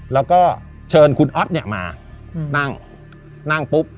แล้วก็เชิญคุณอ๊อฟเนี่ยมานั่งนั่งปุ๊บ